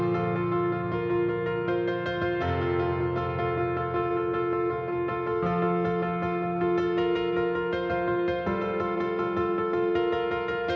pertumbuhan ekonomi kalimantan yang merupakan wilayah penghasil komoditas